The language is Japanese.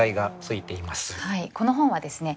この本はですね